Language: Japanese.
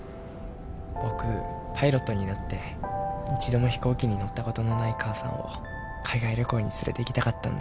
僕パイロットになって一度も飛行機に乗ったことのない母さんを海外旅行に連れていきたかったんだ。